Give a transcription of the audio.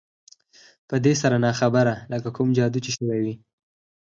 په دې سره ناببره لکه کوم جادو چې شوی وي